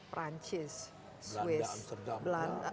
perancis swiss belanda